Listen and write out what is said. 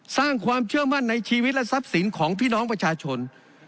สร้างความเชื่อมั่นในชีวิตและทรัพย์สินของพี่น้องประชาชน